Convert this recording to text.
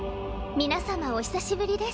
皆さまお久しぶりです。